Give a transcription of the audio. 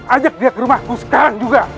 ajak dia ke rumahku sekarang juga